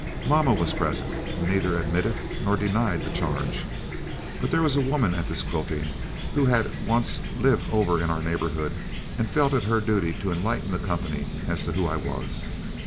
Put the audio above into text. Mamma was present, and neither admitted nor denied the charge. But there was a woman at this quilting who had once lived over in our neighborhood and felt it her duty to enlighten the company as to who I was.